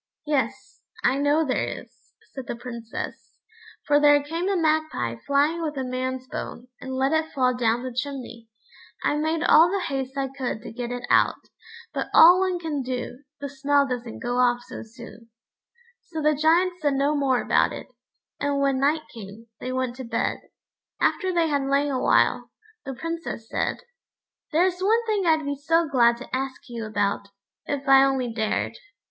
"Yes, I know there is," said the Princess, "for there came a magpie flying with a man's bone, and let it fall down the chimney. I made all the haste I could to get it out, but all one can do, the smell doesn't go off so soon." So the Giant said no more about it, and when night came, they went to bed. After they had lain a while, the Princess said: "There is one thing I'd be so glad to ask you about, if I only dared."